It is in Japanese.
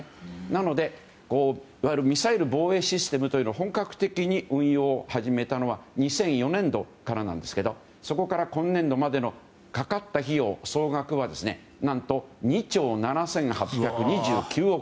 なので、いわゆるミサイル防衛システムというのを本格的に運用を始めたのは２００４年度からですがそこから今年度までにかかった費用の総額は何と２兆７８２９億円。